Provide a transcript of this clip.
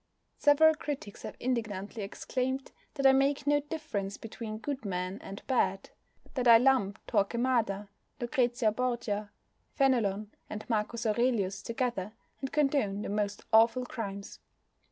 Several critics have indignantly exclaimed that I make no difference between good men and bad, that I lump Torquemada, Lucrezia Borgia, Fenelon, and Marcus Aurelius together, and condone the most awful crimes.